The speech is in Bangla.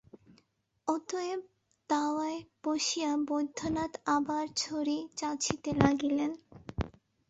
অতএব দাওয়ায় বসিয়া বৈদ্যনাথ আবার ছড়ি চাঁচিতে লাগিলেন।